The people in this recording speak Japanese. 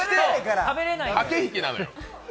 駆け引きなのよ。